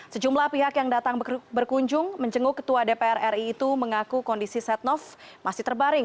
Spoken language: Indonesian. sejumlah pihak yang datang berkunjung menjenguk ketua dpr ri itu mengaku kondisi setnov masih terbaring